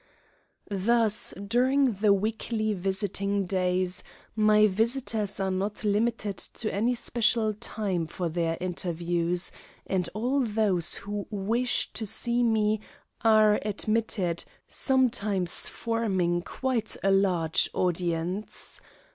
Thus, during the weekly visiting days, my visitors are not limited to any special time for their interviews, and all those who wish to see me are admitted, sometimes forming quite a large audience.